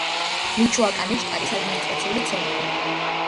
მიჩოაკანის შტატის ადმინისტრაციული ცენტრი.